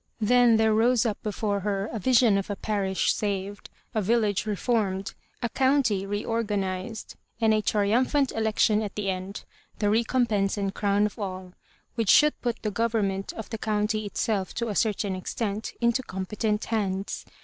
Then there rose up be fore her a vision of a parish saved, a village reformed, a county reorganised, and a trium phant election at the end, the recompense and crown of all, which should put the government of the country itself, to a certain extent, into competent hands.